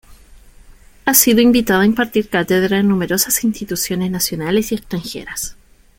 Ha sido invitada a impartir cátedra en numerosas instituciones nacionales y extranjeras.